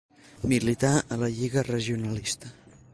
Milità a la Lliga Regionalista.